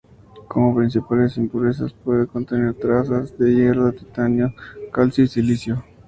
Como principales impurezas puede contener trazas de hierro, titanio, calcio y silicio.